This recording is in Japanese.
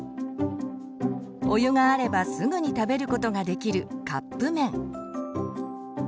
お湯があればすぐに食べることができるカップ麺。